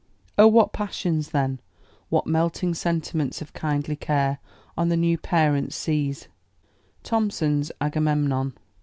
"O what passions then What melting sentiments of kindly care, On the new parents seize." THOMPSON'S AGAMEMNON.